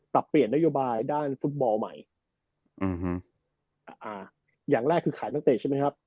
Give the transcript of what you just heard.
ปรับเปลี่ยนนโยบายด้านฟุตบอลใหม่อืมอ่าอย่างแรกคือขายนักเตะใช่ไหมครับ